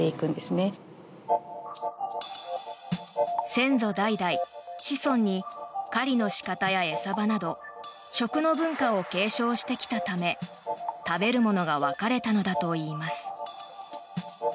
先祖代々、子孫に狩りの仕方や餌場など食の文化を継承してきたため食べるものが分かれたのだといいます。